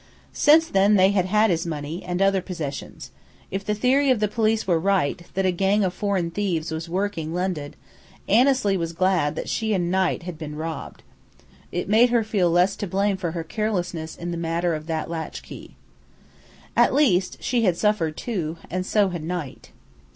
Since then they had had his money, and other possessions. If the theory of the police were right, that a gang of foreign thieves was "working" London, Annesley was glad that she and Knight had been robbed. It made her feel less to blame for her carelessness in the matter of that latchkey. At least, she had suffered, too, and so had Knight.